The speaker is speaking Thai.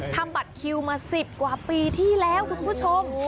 ทำบัตรคิวมา๑๐กว่าปีที่แล้วคุณผู้ชม